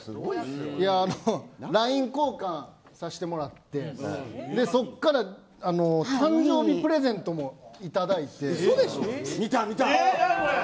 ＬＩＮＥ交換させてもらってそこから誕生日プレゼントも頂いて。